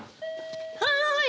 はい！